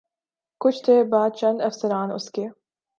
کچھ دیر بعد چند افسران اس کے